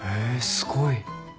すごい？